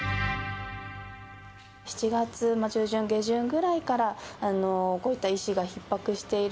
７月中旬、下旬ぐらいから、こういった医師がひっ迫している。